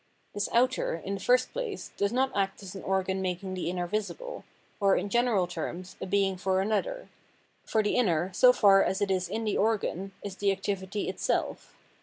This outer, in the first place, does not act as an organ making the inner visible, or, in general terms, a being for another ; for the inner, so far as it is in the organ, is the activity itself.